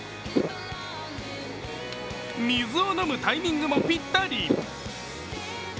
水を飲むタイミングもピッタリ。